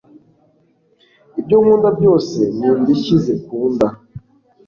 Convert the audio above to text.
ibyo nkunda byose ni indishyi zikunda .